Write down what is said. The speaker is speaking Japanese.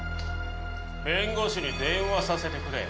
弁護士に電話させてくれよ。